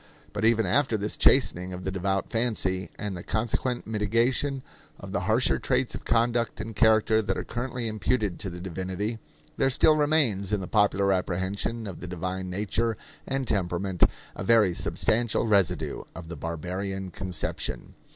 But even after this chastening of the devout fancy, and the consequent mitigation of the harsher traits of conduct and character that are currently imputed to the divinity, there still remains in the popular apprehension of the divine nature and temperament a very substantial residue of the barbarian conception.